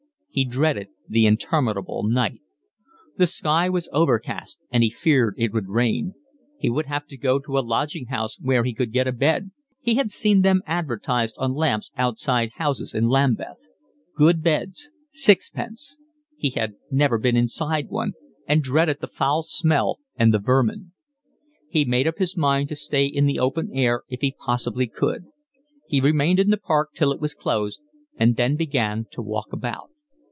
He dreaded the interminable night. The sky was overcast and he feared it would rain; he would have to go to a lodging house where he could get a bed; he had seen them advertised on lamps outside houses in Lambeth: Good Beds sixpence; he had never been inside one, and dreaded the foul smell and the vermin. He made up his mind to stay in the open air if he possibly could. He remained in the park till it was closed and then began to walk about.